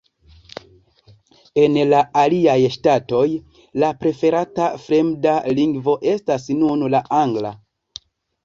En la aliaj ŝtatoj, la preferata fremda lingvo estas nun la angla.